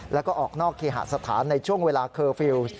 แล้วก็ออกนอกเคหสถานในช่วงเวลาเคอร์ฟิลล์